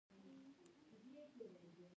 هېواد د مهربانۍ په خپرېدو ابادېږي.